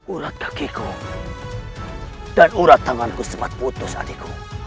urat kakiku dan urat tanganku sempat putus adikku